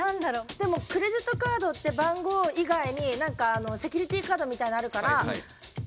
でもクレジットカードって番号以外に何かセキュリティーカードみたいのあるからだから何って話なんですよ。